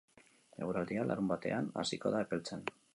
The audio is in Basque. Eguraldia larunbatean hasiko da epeltzen.